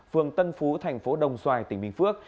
phường tân phú thành phố đồng xoài tỉnh bình phước